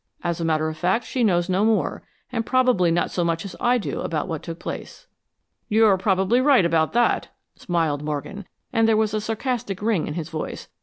As a matter of fact, she knows no more, and probably not so much as I do about what took place." "You're probably right about that," smiled Morgan, and there was a sarcastic ring in his voice.